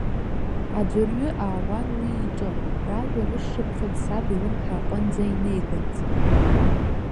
Аӡәырҩы аауан уи иҿы, ражәа, рышшԥхьыӡ саб илымҳа аҟынӡа инеигарц.